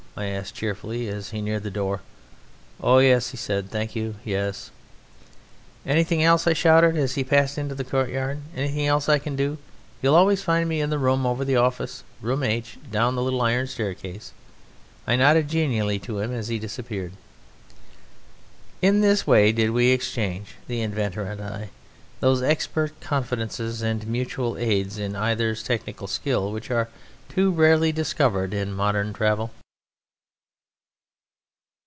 I asked cheerfully as he neared the door. "Oh, yes!" he said. "Thank you; yes!" "Anything else?" I shouted as he passed out into the courtyard. "Anything else I can do? You'll always find me in the room over the office, Room H, down the little iron staircase," I nodded genially to him as he disappeared. In this way did we exchange, the Inventor and I, those expert confidences and mutual aids in either's technical skill which are too rarely discovered in modern travel.